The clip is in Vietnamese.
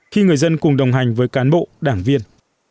khi người dân cùng đồng hành với cán bộ đảng viên